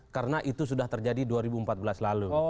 karena itu sudah terjadi dua ribu empat belas lalu